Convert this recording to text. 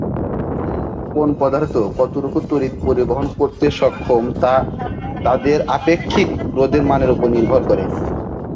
কোন পদার্থ কতটুকু তড়িৎ পরিবহন করতে সক্ষম তা তাদের আপেক্ষিক রোধের মানের ওপর নির্ভর করে।